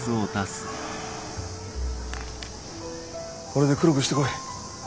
これで黒くしてこい。